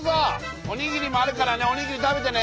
おにぎりもあるからねおにぎり食べてね。